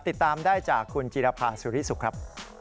ติดตามได้จากคุณจิรภาสุริสุขครับ